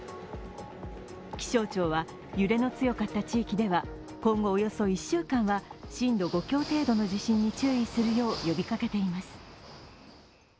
気象庁は揺れの強かった地域では、今後およそ１週間は震度５強程度の地震に注意するよう呼びかけています。